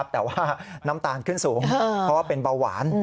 แต่ว่าน้ำตาลขึ้นสูงเพราะว่าเป็นเบาหวาน